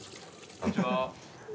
こんにちは。